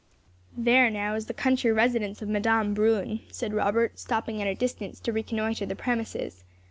"There, now, is the country residence of Madame Bruin," said Robert, stopping at a distance to reconnoitre the premises.